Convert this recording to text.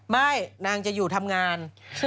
นางจะอยู่ทำงาน